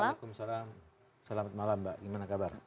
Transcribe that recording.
waalaikumsalam selamat malam mbak gimana kabar